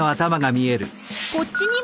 こっちにも！